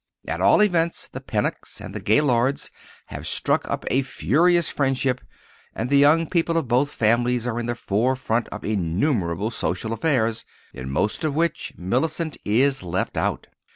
At all events the Pennocks and the Gaylords have struck up a furious friendship, and the young people of both families are in the forefront of innumerable social affairs—in most of which Mellicent is left out.